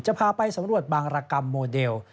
พาไปสำรวจบางรกรรมโมเดล